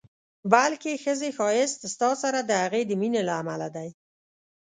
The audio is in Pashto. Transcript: بلکې ښځې ښایست ستا سره د هغې د مینې له امله دی.